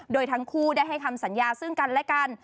โดยทั้งคู่ได้ให้คำสัญญาซึ่งกันและกัน